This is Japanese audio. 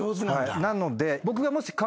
なので僕がもし。